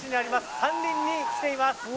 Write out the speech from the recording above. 山林に来ています。